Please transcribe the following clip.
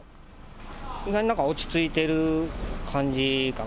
意外になんか落ち着いてる感じかな。